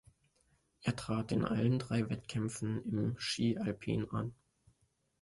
Er trat in allen drei Wettkämpfen im Ski Alpin an.